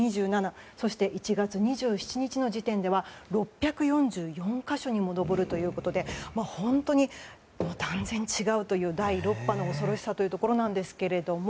そして１月２７日の時点では６４４か所にも上るということで本当に断然違うという第６波の恐ろしさというところなんですが。